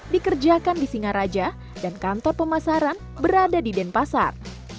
dikerjakan di singaraja dan kantor pemasaran berada di denpasar